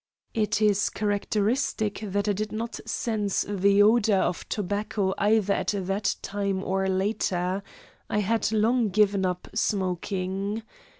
It is characteristic that I did not sense the odour of tobacco either at that time or later I had long given up smoking.